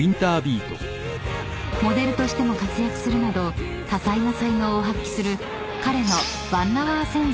［モデルとしても活躍するなど多彩な才能を発揮する彼の］